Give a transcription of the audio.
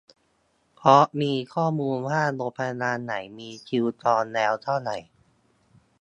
เพราะมีข้อมูลว่าโรงพยาบาลไหนมีคิวจองแล้วเท่าไหร่